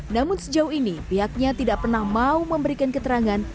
namun sejauh ini pihaknya tidak pernah mau memberikan keterangan